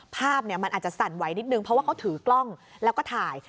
ภาพมันอาจจะสั่นไหวนิดนึงเพราะว่าเขาถือกล้องแล้วก็ถ่าย